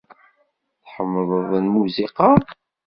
Tḥemmleḍ lmusiqa?